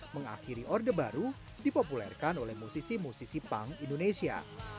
dua ribu delapan mengakhiri orde baru dipopulerkan oleh musisi musisi pang indonesia